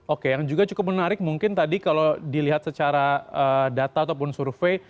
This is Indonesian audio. oke yang juga cukup menarik mungkin tadi kalau dilihat secara data ataupun survei